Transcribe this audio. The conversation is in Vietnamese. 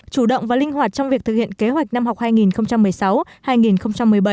chủ động và linh hoạt trong việc thực hiện kế hoạch năm học hai nghìn một mươi sáu hai nghìn một mươi bảy